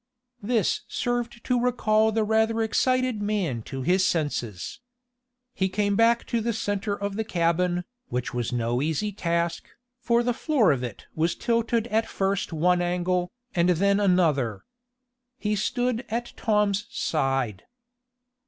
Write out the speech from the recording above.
This served to recall the rather excited man to his senses. He came back to the centre of the cabin, which was no easy task, for the floor of it was tilted at first one angle, and then another. He stood at Tom's side.